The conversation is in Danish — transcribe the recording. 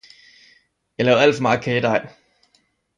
Jeg lavede alt for meget kagedej.